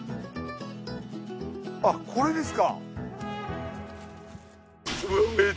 あっこれですか。